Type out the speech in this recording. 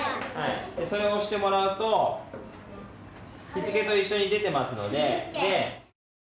それを押してもらうと、日付と一緒に出てますので。